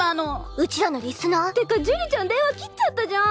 うちらのリスナー？てかジュリちゃん電話切っちゃったじゃん！